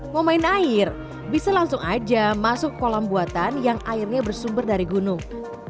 mau main air bisa langsung aja masuk kolam buatan yang airnya bersumber dari gunung